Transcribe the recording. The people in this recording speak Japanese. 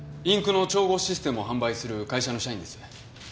インクの調合システムを販売する会社の社員です。